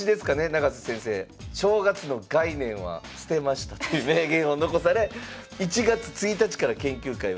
永瀬先生「正月の概念は捨てました」という名言を残され１月１日から研究会をされてると。